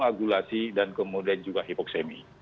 agulasi dan kemudian juga hipoksemi